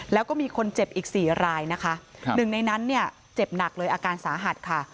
แล้วก็มีคนเจ็บอีก๔รายนะคะหนึ่งในนั้นเนี่ยเจ็บหนักเลยอาการสาหัสค่ะ